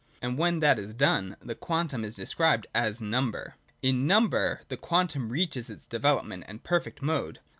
And, when that is done, the quantum is described as Number. 102.] In Number the quantum reaches its develop ment and perfect mode.